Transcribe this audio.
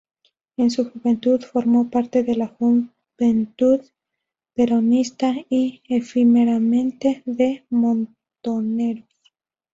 En su juventud formó parte de la Juventud Peronista y, efímeramente, de Montoneros.